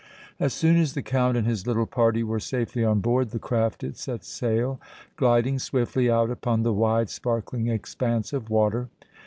As soon as the Count and his little party were safely on board the craft it set sail, gliding swiftly out upon the wide, sparkling expanse of water.